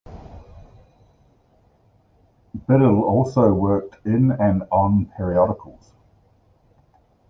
Biddle also worked in and on periodicals.